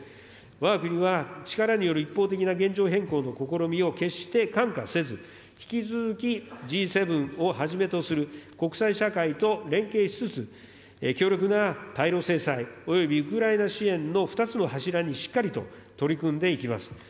わが国は、力による一方的な現状変更の試みを決して看過せず、引き続き、Ｇ７をはじめとする国際社会と連携しつつ、強力な対ロ制裁およびウクライナ支援の２つの柱にしっかりと取り組んでいきます。